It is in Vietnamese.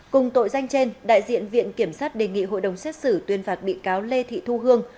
cùng tội danh trên đại diện viện kiểm sát đề nghị hội đồng xét xử tuyên phạt bị cáo lê thị thu hương